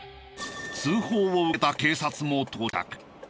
通報を受けた警察も到着。